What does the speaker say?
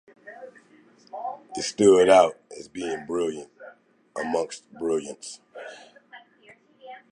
It stood out as being brilliant amongst brilliance.